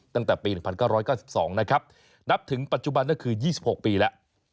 ตั้งแต่ปี๑๙๙๒นะครับนับถึงปัจจุบันก็คือ๒๖ปีแล้ว